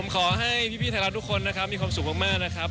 ขอให้พี่ไทยรัฐทุกคนนะครับมีความสุขมากนะครับ